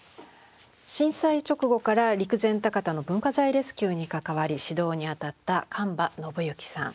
震災直後から陸前高田の文化財レスキューに関わり指導に当たった神庭信幸さん。